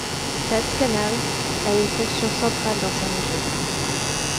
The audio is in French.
Stadskanaal a une fonction centrale dans sa région.